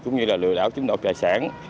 cũng như lừa đảo chiếm đoạt tài sản